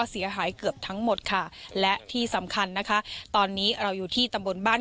เสียหายเกือบทั้งหมดค่ะและที่สำคัญนะคะตอนนี้เราอยู่ที่ตำบลบ้าน